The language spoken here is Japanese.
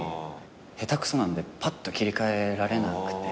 下手くそなんでぱっと切り替えられなくて。